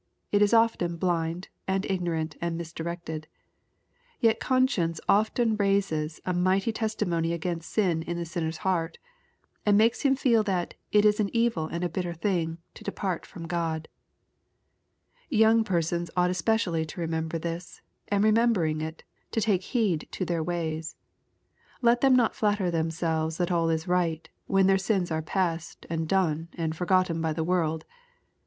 It is often blind, and ignorant, and misdirected. Yet conscience often raises a mighty testi mony against sin in the sinner's heart, and makes him feel that " it is an evil and a bitter thing" to depart from God. Young persons ought especially to remember this, and, remembering it, to take heed to their ways. Let them not flatter themselves that all is right, when their sins are past, and done, and forgotten by the world.